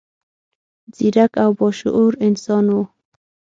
ځیرک او با شعوره انسان و.